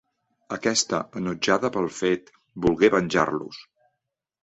Aquesta, enutjada pel fet, volgué venjar-los.